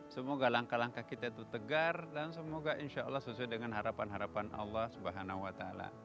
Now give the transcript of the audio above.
semoga langkah langkah kita itu tegar dan semoga insya allah sesuai dengan harapan harapan allah swt